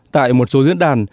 tại một số diễn đàn